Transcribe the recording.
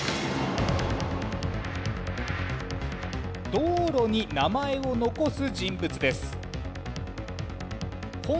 道路に名前を残す人物です。